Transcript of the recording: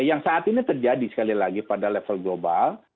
yang saat ini terjadi sekali lagi pada level global